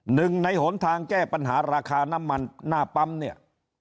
หนึ่งในหนทางแก้ปัญหาราคาน้ำมันหน้าปั๊มเนี่ย